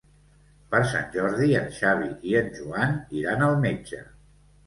Per Sant Jordi en Xavi i en Joan iran al metge.